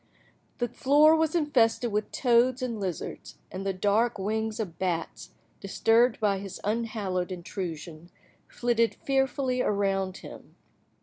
The floor was infested with toads and lizards, and the dark wings of bats, disturbed by his unhallowed intrusion, flitted fearfully around him.